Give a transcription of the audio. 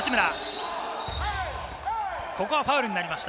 ここはファウルになりました。